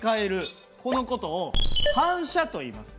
この事を「反射」といいます。